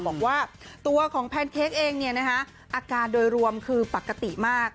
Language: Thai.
บอกว่าตัวของแพนเค้กเองอาการโดยรวมคือปกติมาก